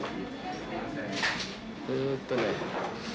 えっとね